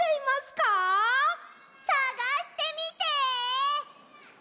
さがしてみて！